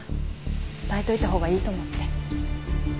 伝えておいたほうがいいと思って。